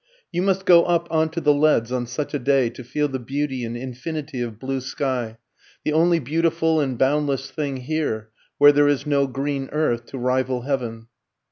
You must go up on to the leads on such a day to feel the beauty and infinity of blue sky, the only beautiful and boundless thing here, where there is no green earth to rival heaven.